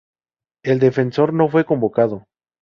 El defensor no fue convocado.